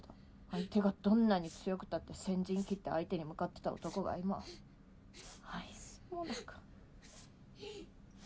相手がどんなに強くたって先陣切って相手に向かってた男が今はアイスモナカ。